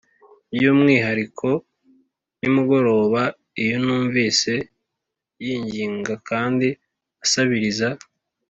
'by'umwihariko nimugoroba iyo numvise yinginga kandi asabiriza.